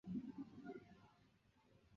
你不要再掰谎言了。